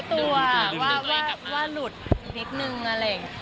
ตัวว่าหลุดอีกนิดนึงอะไรอย่างนี้